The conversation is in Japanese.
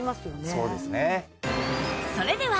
そうですね。